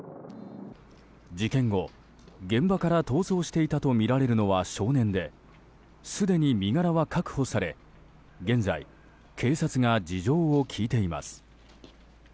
事件後、現場から逃走していたとみられるのは少年ですでに身柄は確保され、現在警察が事情を聴いています。